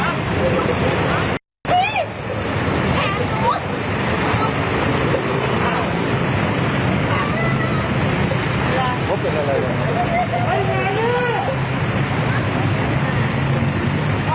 ยังปลดปล่อยหรอ